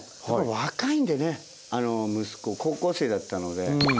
若いんでね息子高校生だったので。